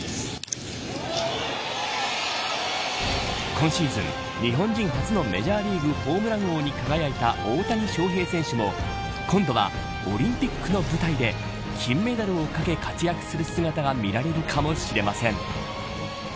今シーズン日本人初のメジャーリーグホームラン王に輝いた大谷翔平選手も今度はオリンピックの舞台で金メダルを懸け、活躍する姿が見られるかもしれません。